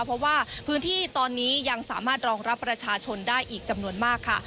เพราะว่าพื้นที่ตอนนี้ยังสามารถรองรับประชาชนได้อีกจำนวนมากค่ะ